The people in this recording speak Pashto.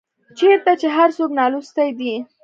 چيرته چي هر څوک نالوستي دي